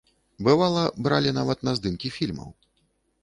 Бывала, бралі нават на здымкі фільмаў.